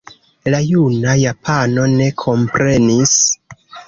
La juna japano ne komprenis.